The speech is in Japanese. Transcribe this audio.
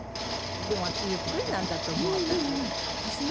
でもゆっくりなんだと思う私。